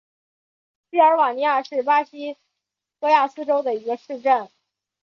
锡尔瓦尼亚是巴西戈亚斯州的一个市镇。